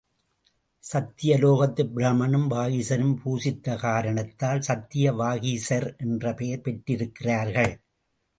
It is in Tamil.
சத்திய லோகத்து பிரமனும் வாகீசரும் பூசித்த காரணத்தால் சத்திய வாகீசர் என்று பெயர் பெற்றுமிருக்கிறார்கள்.